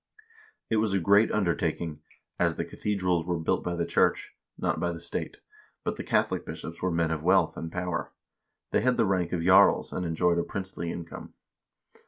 It was a great undertaking, as the cathedrals were built by the church, not by the state, but the Catholic bishops were men of wealth and power ; they had the rank of jarls, and enjoyed a princely income.